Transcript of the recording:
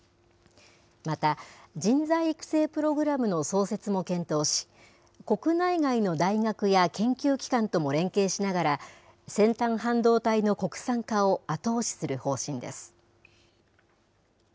また、人材育成プログラムの創設も検討し、国内外の大学や研究機関とも連携しながら、先端半導体の国産化を後押しする方針です。